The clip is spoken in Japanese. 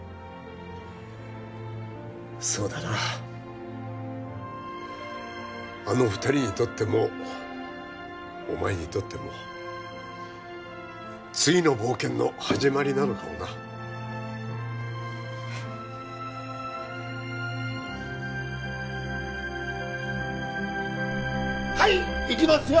そうだなあの２人にとってもお前にとっても次の冒険の始まりなのかもなはいいきますよ